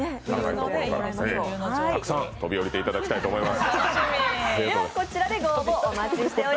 たくさん飛び降りていただきたいと思います。